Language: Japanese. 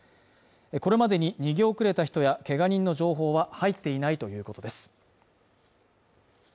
これまでに逃げ遅れた人やけが人の情報は入っていないということです